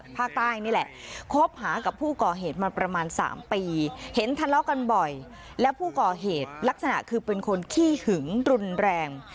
ประมาณ๓ปีเห็นทะเลาะกันบ่อยและผู้ก่อเหตุลักษณะคือเป็นคนขี้หึงรุนแรง